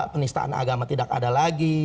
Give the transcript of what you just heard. penistaan agama tidak ada lagi